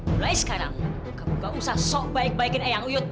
mulai sekarang kamu gak usah sok baik baikin eyang uyut